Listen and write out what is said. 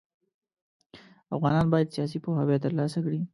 افغانان بايد سياسي پوهاوی ترلاسه کړي.